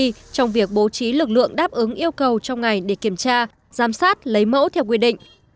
trong việc bố trí lực lượng đáp ứng yêu cầu trong ngày để kiểm tra giám sát lấy mẫu theo quy định